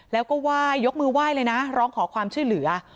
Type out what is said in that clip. แล้วก็ว่ายยกมือว่ายเลยนะร้องขอความชื่อเหลือ